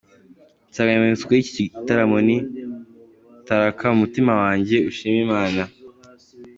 Insanganyamatsiko y’iki gitaramo ni “Taraka mutima wanjye ushime Imana”.